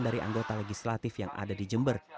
dari anggota legislatif yang ada di jember